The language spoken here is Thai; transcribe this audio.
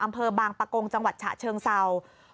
อำเภอบางปะกงจังหวัดฉะเชิงเศร้า